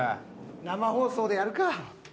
生放送でやるか。